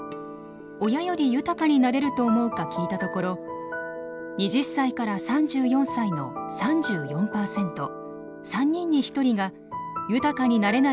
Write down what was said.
親より豊かになれると思うか聞いたところ２０歳から３４歳の３４％３人に１人が豊かになれないと答えました。